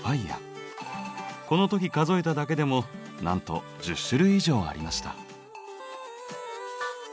この時数えただけでもなんと１０種類以上ありました。